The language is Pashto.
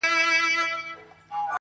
خو حقيقت نه بدل کيږي تل,